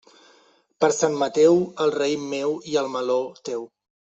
Per Sant Mateu, el raïm meu i el meló, teu.